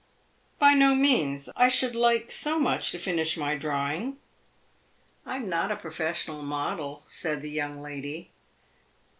"By no means. I should like so much to finish my drawing." "I am not a professional model," said the young lady.